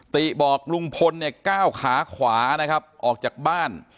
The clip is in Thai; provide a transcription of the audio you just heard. ติบอกลุงพลเนี่ยก้าวขาขวานะครับออกจากบ้าน